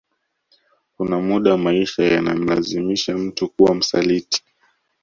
Kuna muda maisha yanamlazimisha mtu kuwa msaliti